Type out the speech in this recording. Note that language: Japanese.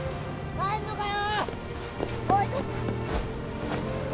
帰んのかよ！